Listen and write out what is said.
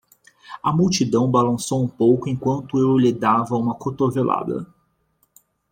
A multidão balançou um pouco enquanto eu lhe dava uma cotovelada.